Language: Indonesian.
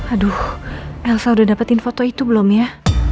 aduh elsa udah dapetin foto itu belum ya